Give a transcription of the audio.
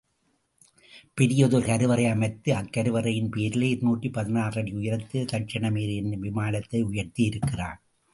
பெரியதொரு கருவறை அமைத்து அக்கருவறையின் பேரிலே இருநூற்று பதினாறு அடி உயரத்திலே தக்ஷிண மேரு என்னும் விமானத்தை உயர்த்தியிருக்கிறான்.